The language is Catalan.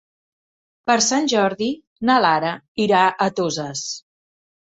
Per Sant Jordi na Lara irà a Toses.